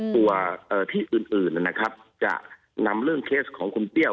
ตัวที่อื่นจะนำเรื่องเคสของคุณเตรียว